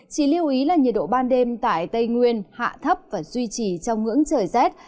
chỉ lưu ý là nhiệt độ ban đêm tại tây nguyên hạ thấp và duy trì trong ngưỡng trời rét